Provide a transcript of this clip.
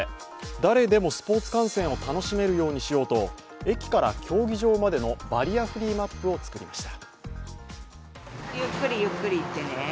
誰でもスポーツ観戦を楽しめるようにしようと駅から競技場までのバリアフリーマップを作りました。